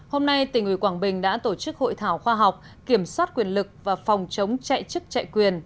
hôm nay tỉnh ủy quảng bình đã tổ chức hội thảo khoa học kiểm soát quyền lực và phòng chống chạy chức chạy quyền